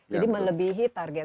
jadi melebihi target